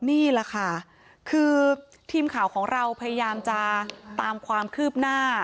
นี่แหละค่ะคือทีมข่าวของเราพยายามจะตามความคืบหน้า